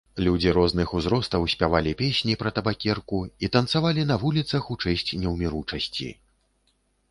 Людзі розных узростаў спявалі песні пра табакерку і танцавалі на вуліцах у чэсць неўміручасці.